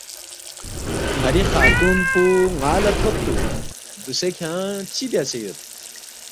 ن٘ری خاتون پو ن٘ا لہ تھوبتُوک، ”دوسے کھیانگ چِہ بیاسے یود؟“